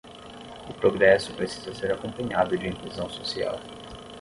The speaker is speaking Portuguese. O progresso precisa ser acompanhado de inclusão social